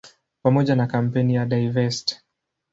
Pamoja na kampeni ya "Divest!